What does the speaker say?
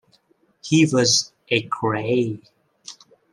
He was a gray.